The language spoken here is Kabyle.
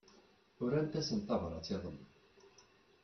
Urant-asen tabrat iḍelli.